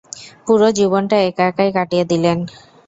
পুরো জীবনটা একা একাই কাটিয়ে দিলেন।